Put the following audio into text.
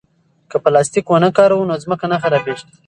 که پلاستیک ونه کاروو نو ځمکه نه خرابېږي.